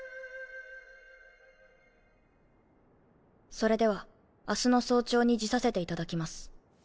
それでは明日の早朝に辞させていただきます。